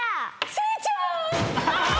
せいちゃん！